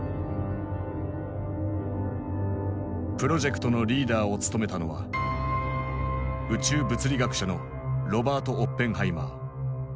プロジェクトのリーダーを務めたのは宇宙物理学者のロバート・オッペンハイマー。